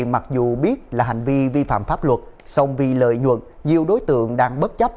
mặc dù biết là hành vi vi phạm pháp luật song vì lợi nhuận nhiều đối tượng đang bất chấp